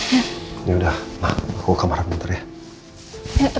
ya udah aku ke kamar bentar ya